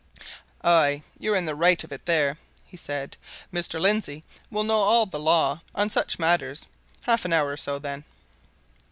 "Aye, you're in the right of it there," he said. "Mr. Lindsey'll know all the law on such matters. Half an hour or so, then."